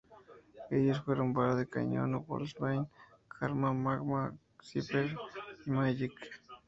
Ellos fueron Bala de Cañón, Wolfsbane, Karma, Magma, Cypher y Magik.